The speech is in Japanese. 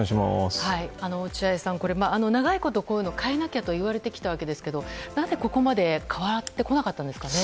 落合さん、これは長いことこういうものを変えなきゃといわれてきたんですがなぜここまで変わってこなかったんですかね。